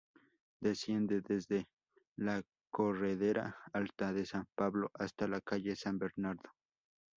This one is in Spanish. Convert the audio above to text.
Desciende desde la Corredera Alta de San Pablo hasta la calle San Bernardo.